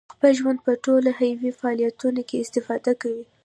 د خپل ژوند په ټولو حیوي فعالیتونو کې استفاده کوي.